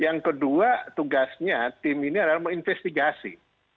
yang kedua tugasnya tim ini adalah menginvestigasi